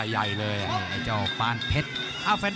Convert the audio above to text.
ใหญ่เลย